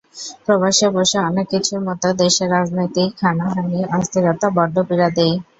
প্রবাসে বসে অনেক কিছুর মতো দেশের রাজনৈতিক হানাহানি, অস্থিরতা বড্ড পীড়া দেয়।